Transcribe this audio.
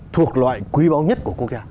thuộc loại quý báu nhất của quốc gia